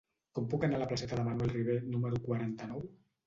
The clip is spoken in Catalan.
Com puc anar a la placeta de Manuel Ribé número quaranta-nou?